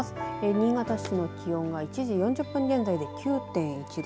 新潟市の気温が１時４０分現在で９．１度。